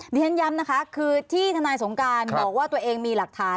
เรียนย้ำนะคะคือที่ทนายสงการบอกว่าตัวเองมีหลักฐาน